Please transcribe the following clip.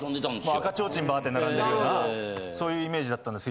赤ちょうちんバーって並んでるようなそういうイメージだったんです。